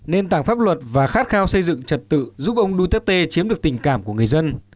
nền tảng pháp luật và khát khao xây dựng trật tự giúp ông duterte chiếm được tình cảm của người dân